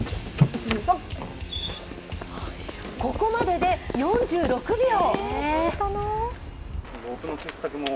ここまでで４６秒。